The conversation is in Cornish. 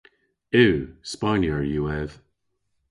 Yw. Spaynyer yw ev.